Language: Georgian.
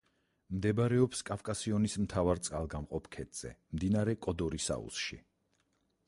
მდებარეობს კავკასიონის მთავარ წყალგამყოფ ქედზე, მდინარე კოდორის აუზში.